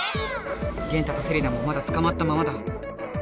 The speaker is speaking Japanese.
ゲンタとセリナもまだつかまったままだ。